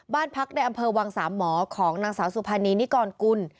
บ้านพักในอำเภอวังสามหมอของนางสาวสุภานีนิกรกุล